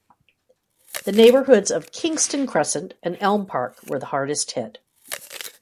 The neighbourhoods of Kingston Crescent and Elm Park were the hardest hit.